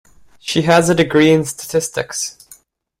She has a degree in Statistics.